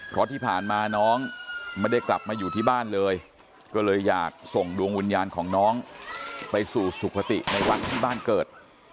เพราะที่ผ่านมาน้องไม่ได้กลับมาอยู่ที่บ้านเลยก็เลยอยากส่งดวงวิญญาณของน้องไปสู่สุขติในวันที่บ้านเกิด